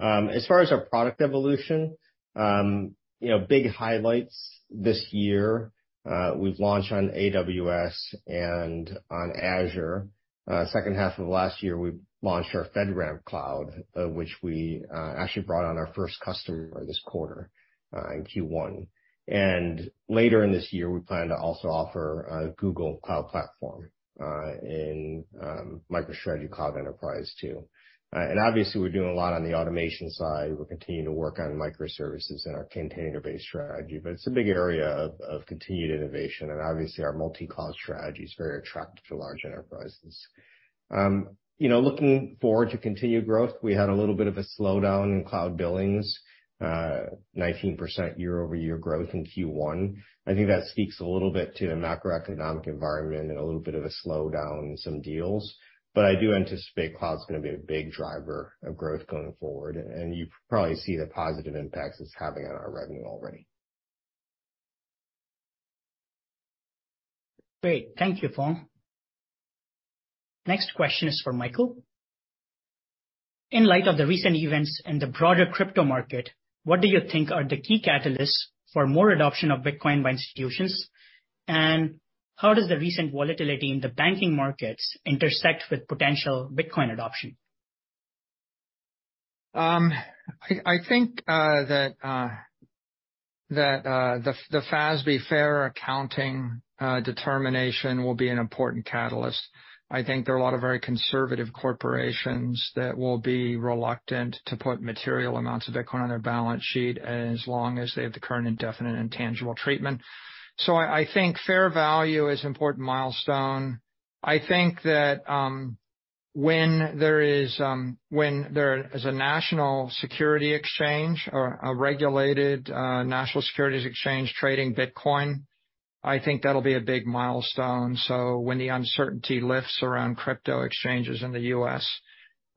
As far as our product evolution, you know, big highlights this year, we've launched on AWS and on Azure. Second half of last year, we launched our FedRAMP cloud, which we actually brought on our first customer this quarter, in Q1. Later in this year, we plan to also offer a Google Cloud Platform in MicroStrategy Cloud Enterprise too. Obviously, we're doing a lot on the automation side. We're continuing to work on microservices and our container-based strategy, but it's a big area of continued innovation. Obviously, our multi-cloud strategy is very attractive to large enterprises. You know, looking forward to continued growth, we had a little bit of a slowdown in cloud billings, 19% year-over-year growth in Q1. I think that speaks a little bit to the macroeconomic environment and a little bit of a slowdown in some deals. I do anticipate cloud's gonna be a big driver of growth going forward. You probably see the positive impacts it's having on our revenue already. Great. Thank you, Phong. Next question is for Michael. In light of the recent events in the broader crypto market, what do you think are the key catalysts for more adoption of Bitcoin by institutions? How does the recent volatility in the banking markets intersect with potential Bitcoin adoption? I think the FASB fair accounting determination will be an important catalyst. I think there are a lot of very conservative corporations that will be reluctant to put material amounts of Bitcoin on their balance sheet as long as they have the current indefinite intangible treatment. I think fair value is an important milestone. I think that when there is a national security exchange or a regulated national securities exchange trading Bitcoin, I think that'll be a big milestone, so when the uncertainty lifts around crypto exchanges in the U.S.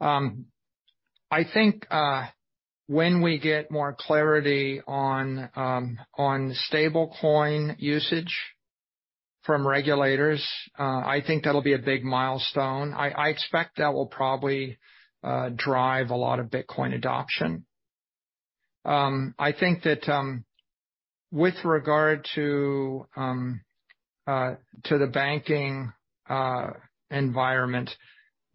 I think when we get more clarity on stablecoin usage from regulators, I think that'll be a big milestone. I expect that will probably drive a lot of Bitcoin adoption. I think that, with regard to the banking environment,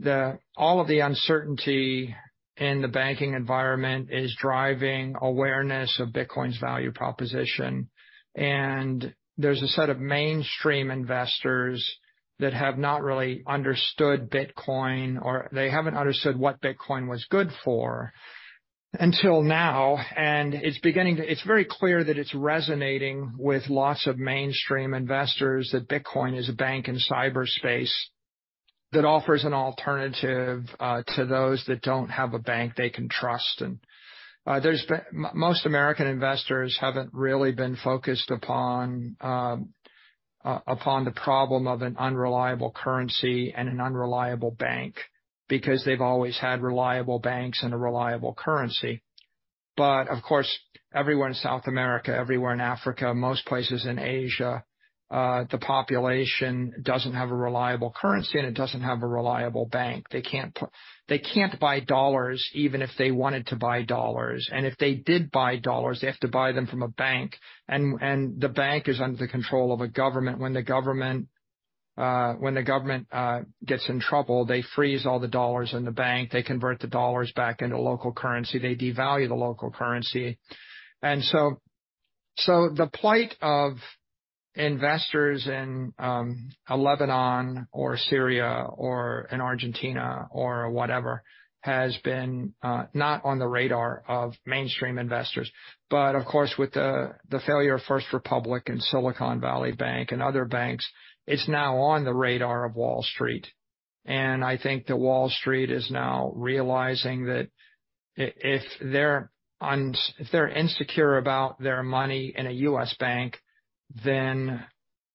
all of the uncertainty in the banking environment is driving awareness of Bitcoin's value proposition. There's a set of mainstream investors that have not really understood Bitcoin, or they haven't understood what Bitcoin was good for until now. It's very clear that it's resonating with lots of mainstream investors that Bitcoin is a bank in cyberspace that offers an alternative, to those that don't have a bank they can trust. There's been Most American investors haven't really been focused upon the problem of an unreliable currency and an unreliable bank because they've always had reliable banks and a reliable currency. Of course, everywhere in South America, everywhere in Africa, most places in Asia, the population doesn't have a reliable currency, and it doesn't have a reliable bank. They can't buy dollars even if they wanted to buy dollars. If they did buy dollars, they have to buy them from a bank, and the bank is under the control of a government. When the government gets in trouble, they freeze all the dollars in the bank. They convert the dollars back into local currency. They devalue the local currency. So the plight of investors in Lebanon or Syria or in Argentina or whatever has been not on the radar of mainstream investors. Of course, with the failure of First Republic and Silicon Valley Bank and other banks, it's now on the radar of Wall Street. I think that Wall Street is now realizing that if they're insecure about their money in a U.S. bank, then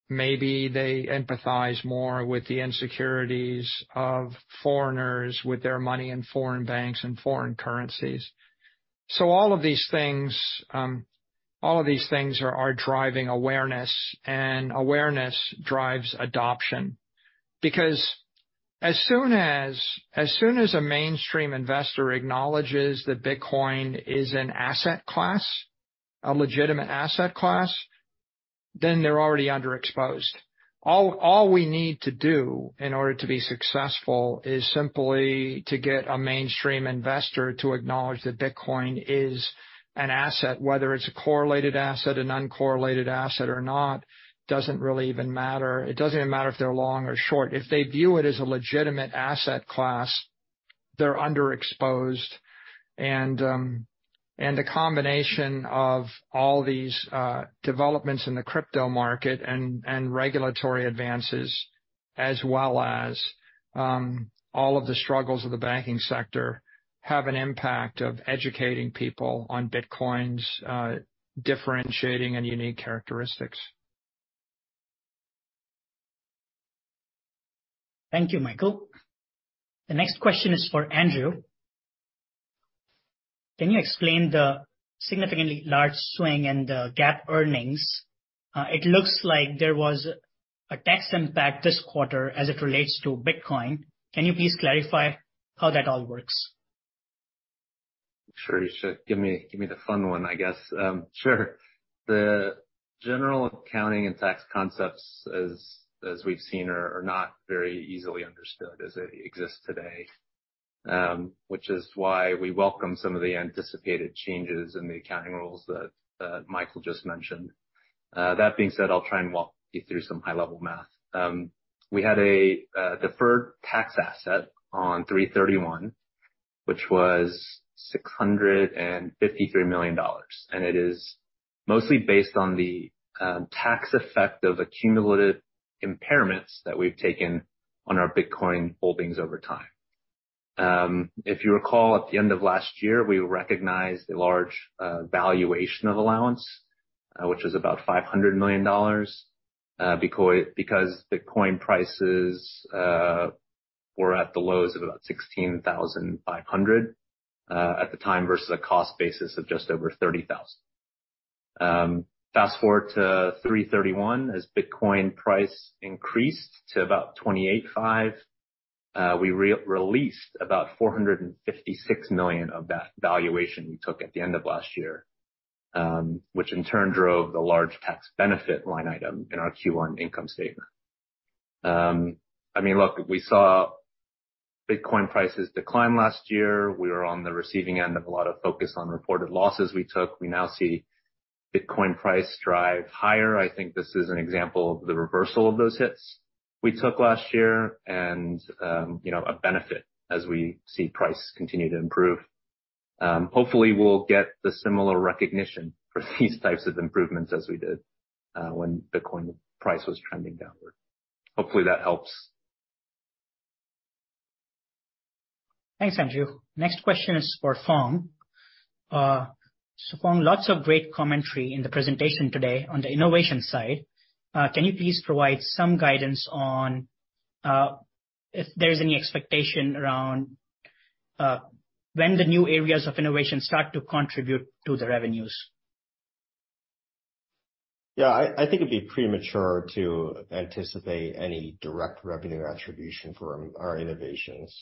maybe they empathize more with the insecurities of foreigners with their money in foreign banks and foreign currencies. All of these things are driving awareness, and awareness drives adoption. As soon as a mainstream investor acknowledges that Bitcoin is an asset class, a legitimate asset class, then they're already underexposed. All we need to do in order to be successful is simply to get a mainstream investor to acknowledge that Bitcoin is an asset. Whether it's a correlated asset, an uncorrelated asset or not, doesn't really even matter. It doesn't even matter if they're long or short. If they view it as a legitimate asset class, they're underexposed. The combination of all these developments in the crypto market and regulatory advances as well as all of the struggles of the banking sector have an impact of educating people on Bitcoin's differentiating and unique characteristics. Thank you, Michael. The next question is for Andrew. Can you explain the significantly large swing in the GAAP earnings? It looks like there was a tax impact this quarter as it relates to Bitcoin. Can you please clarify how that all works? Sure. You should give me, give me the fun one, I guess. Sure. The general accounting and tax concepts, as we've seen, are not very easily understood as it exists today. Which is why we welcome some of the anticipated changes in the accounting rules that Michael just mentioned. That being said, I'll try and walk you through some high-level math. We had a deferred tax asset on March 31, which was $653 million. It is mostly based on the tax effect of accumulative impairments that we've taken on our Bitcoin holdings over time. If you recall, at the end of last year, we recognized a large valuation of allowance, which was about $500 million because Bitcoin prices were at the lows of about 16,500 at the time versus a cost basis of just over 30,000. Fast-forward to March 31 as Bitcoin price increased to about 28,500. We re-released about $456 million of that valuation we took at the end of last year, which in turn drove the large tax benefit line item in our Q1 income statement. I mean, look, we saw Bitcoin prices decline last year. We were on the receiving end of a lot of focus on reported losses we took. We now see Bitcoin price drive higher. I think this is an example of the reversal of those hits we took last year and, you know, a benefit as we see price continue to improve. Hopefully, we'll get the similar recognition for these types of improvements as we did when Bitcoin price was trending downward. Hopefully, that helps. Thanks, Andrew. Next question is for Phong. Phong, lots of great commentary in the presentation today on the innovation side. Can you please provide some guidance on if there is any expectation around when the new areas of innovation start to contribute to the revenues? Yeah, I think it'd be premature to anticipate any direct revenue attribution from our innovations.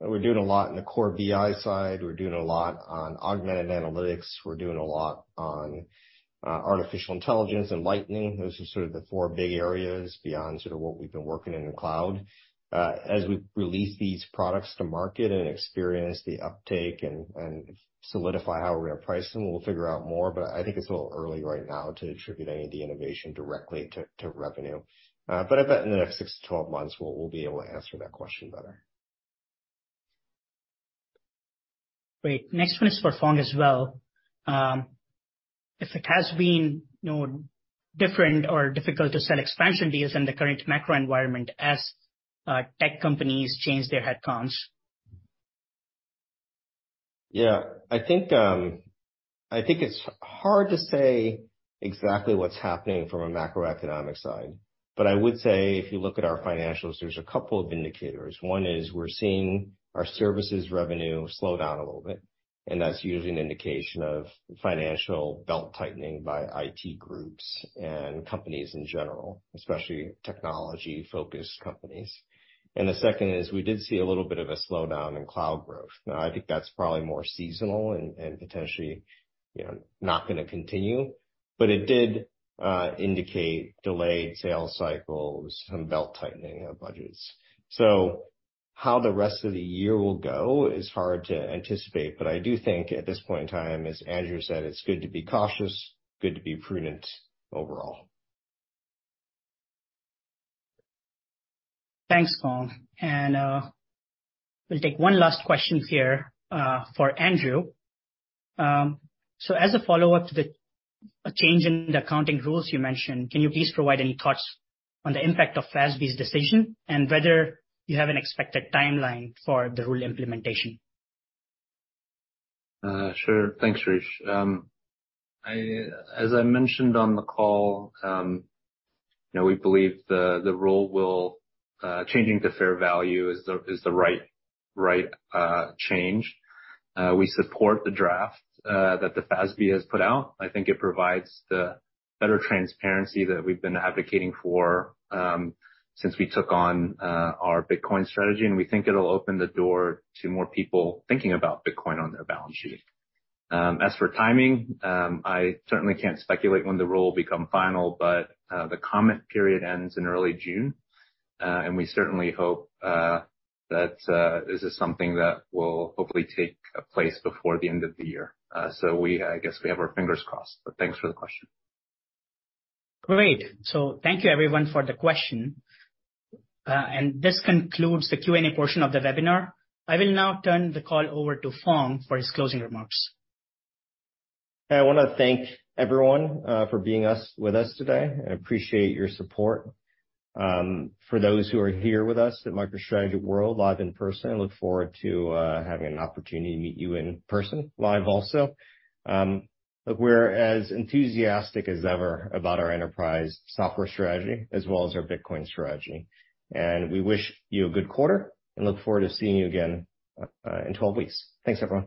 We're doing a lot in the core BI side. We're doing a lot on augmented analytics. We're doing a lot on, artificial intelligence and Lightning. Those are sort of the four big areas beyond sort of what we've been working in the cloud. As we release these products to market and experience the uptake and solidify how we're gonna price them, we'll figure out more, but I think it's a little early right now to attribute any of the innovation directly to revenue. I bet in the next six to 12 months, we'll be able to answer that question better. Great. Next one is for Phong as well. If it has been, you know, different or difficult to sell expansion deals in the current macro environment as tech companies change their headcounts? Yeah. I think it's hard to say exactly what's happening from a macroeconomic side, but I would say if you look at our financials, there's a couple of indicators. One is we're seeing our services revenue slow down a little bit, and that's usually an indication of financial belt-tightening by IT groups and companies in general, especially technology-focused companies. The second is we did see a little bit of a slowdown in cloud growth. I think that's probably more seasonal and potentially, you know, not gonna continue, but it did indicate delayed sales cycles and belt-tightening of budgets. How the rest of the year will go is hard to anticipate, but I do think at this point in time, as Andrew said, it's good to be cautious, good to be prudent overall. Thanks, Phong. We'll take one last question here, for Andrew. As a follow-up to the change in the accounting rules you mentioned, can you please provide any thoughts on the impact of FASB's decision and whether you have an expected timeline for the rule implementation? Sure. Thanks, Shirish. As I mentioned on the call, you know, we believe the role will changing to fair value is the right change. We support the draft that the FASB has put out. I think it provides the better transparency that we've been advocating for since we took on our Bitcoin strategy. We think it'll open the door to more people thinking about Bitcoin on their balance sheet. As for timing, I certainly can't speculate when the rule will become final. The comment period ends in early June. We certainly hope that this is something that will hopefully take place before the end of the year. We, I guess, we have our fingers crossed. Thanks for the question. Great. Thank you everyone for the question. This concludes the Q&A portion of the webinar. I will now turn the call over to Phong for his closing remarks. I wanna thank everyone for being with us today and appreciate your support. For those who are here with us at MicroStrategy World live in person, I look forward to having an opportunity to meet you in person live also. Look, we're as enthusiastic as ever about our enterprise software strategy as well as our Bitcoin strategy, and we wish you a good quarter and look forward to seeing you again in 12 weeks. Thanks, everyone.